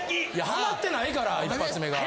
ハマってないから一発目が。